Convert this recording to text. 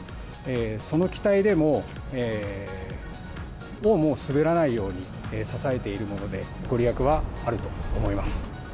その機体でも滑らないように支えているもので、御利益はあると思